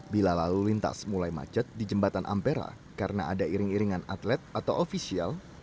bila lalu lintas mulai macet di jembatan ampera karena ada iring iringan atlet atau ofisial